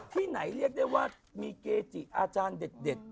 ที่ไหนเรียกได้ว่ามีเกจิอาจารย์เด็ด